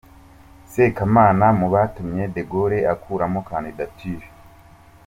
Sekamana mu batumye De Gaulle akuramo kandidatire.